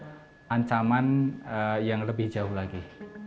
dan juga mencari ancaman yang lebih jauh lagi